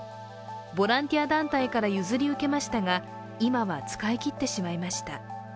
ボランティア団体から譲り受けましたが、今は使い切ってしまいました。